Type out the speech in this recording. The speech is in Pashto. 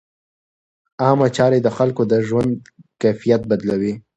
عامه چارې د خلکو د ژوند کیفیت بدلوي.